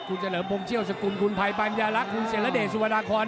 คุณเฉลิมพงเชี่ยวสกุลคุณภัยปัญญาลักษณ์คุณเสรเดชสุวรรณาคอน